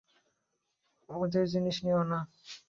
ওদের জিনিস নিও না।